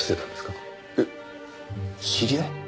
えっ知り合い？